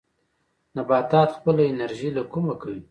نباتات خپله انرژي له کومه کوي؟